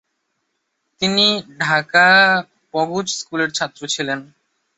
তিনি ঢাকা পগোজ স্কুলের ছাত্র ছিলেন।